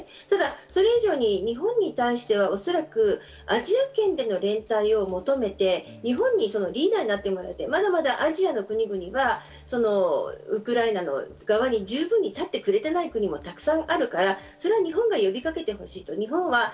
ただそれ以上に日本に対してはおそらくアジア圏での連帯を求めて日本にリーダーになってもらって、まだまだアジアの国はウクライナの側に十分に立ってくれていない国もたくさんあるから日本が呼びかけてほしいと。